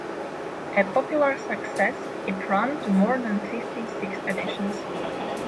A popular success it ran to more than fifty six editions.